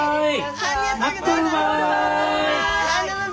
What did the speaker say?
はい。